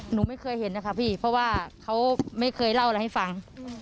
หนูไม่เคยเห็นนะคะพี่เพราะว่าเขาไม่เคยเล่าอะไรให้ฟัง